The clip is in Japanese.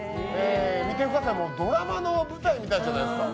見てください、ドラマの舞台みたいじゃないですか。